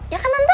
ya kan tante